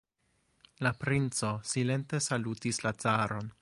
La princo silente salutis la caron.